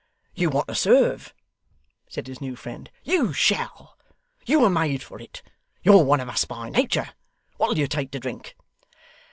'You want to serve,' said his new friend. 'You shall. You were made for it. You're one of us by nature. What'll you take to drink?